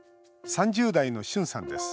３０代のシュンさんです